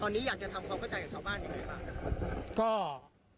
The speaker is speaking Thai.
ตอนนี้อยากจะทำความเข้าใจกับชาวบ้านยังไงบ้างนะครับ